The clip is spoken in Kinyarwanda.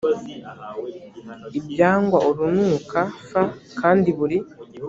ibyangwa urunuka f kandi buri